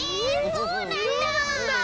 そうなんだ！